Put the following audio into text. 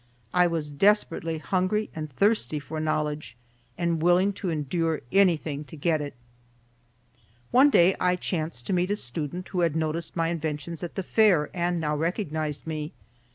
I was desperately hungry and thirsty for knowledge and willing to endure anything to get it. One day I chanced to meet a student who had noticed my inventions at the Fair and now recognized me.